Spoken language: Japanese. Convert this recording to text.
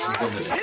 え！